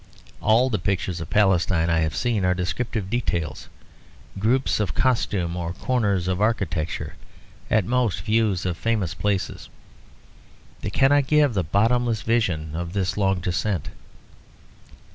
All the pictures of Palestine I have seen are descriptive details, groups of costume or corners of architecture, at most views of famous places; they cannot give the bottomless vision of this long descent.